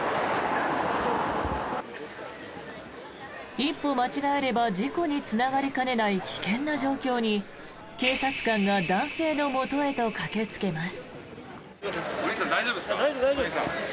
一歩間違えれば事故につながりかねない危険な状況に警察官が男性のもとへと駆けつけます。